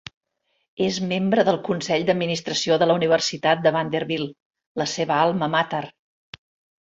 És membre del consell d'administració de la Universitat de Vanderbilt, la seva alma mater.